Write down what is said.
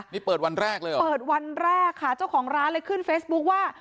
นี่เปิดวันแรกเลยเหรอเปิดวันแรกค่ะเจ้าของร้านเลยขึ้นเฟซบุ๊คว่า